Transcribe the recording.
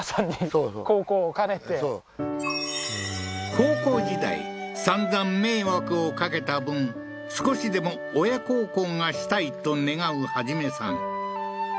高校時代散々迷惑をかけた分少しでも親孝行がしたいと願う一さん